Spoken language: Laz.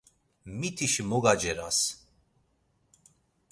Mitişi mo gaceras!